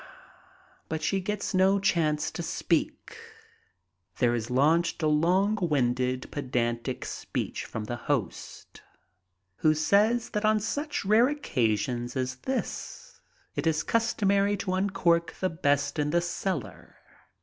But she gets no chance to speak. There is launched a long winded pedantic speech from the host, who says that on such rare occasions as this it is customary to uncork the best in the cellar.